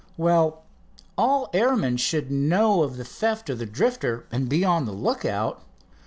"Well, all airmen should know of the theft of the Drifter, and be on the lookout."